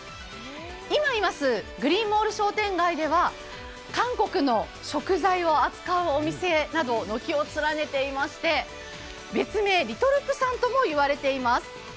今いますグリーンモール商店街では韓国の食材を扱うお店など軒を連ねていまして別名・リトルプサンとも言われています。